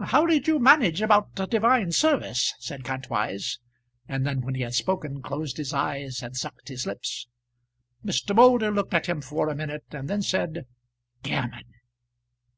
"How did you manage about divine service?" said Kantwise; and then, when he had spoken, closed his eyes and sucked his lips. Mr. Moulder looked at him for a minute, and then said, "Gammon."